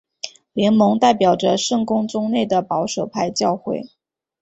联盟代表着圣公宗内的保守派教会。